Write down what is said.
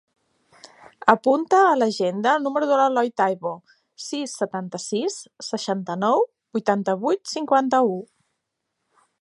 Apunta a l'agenda el número de l'Eloi Taibo: sis, setanta-sis, seixanta-nou, vuitanta-vuit, cinquanta-u.